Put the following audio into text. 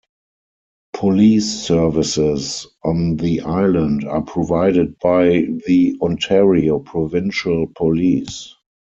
Police services on the island are provided by the Ontario Provincial Police.